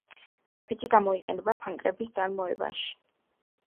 გრაფიტი გამოიყენება ფანქრების წარმოებაში.